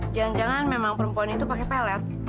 jangan jangan memang perempuan itu pakai pelet